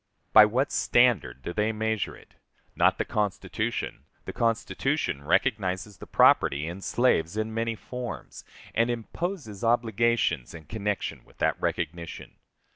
By what standard do they measure it? Not the Constitution; the Constitution recognizes the property in slaves in many forms, and imposes obligations in connection with that recognition.